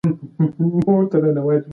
د ځانګړتیاوو تشریح لامل دی چې پوه سئ.